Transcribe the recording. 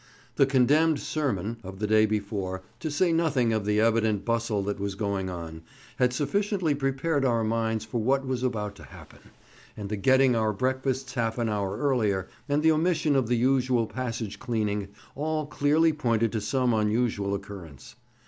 "The condemned sermon" of the day before, to say nothing of the evident bustle that was going on, had sufficiently prepared our minds for what was about to happen; and the getting our breakfasts half an hour earlier, and the omission of the usual passage cleaning, all clearly pointed to some unusual occurrence.